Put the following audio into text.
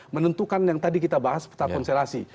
menentukan yang tadi kita bahas tentang konselasi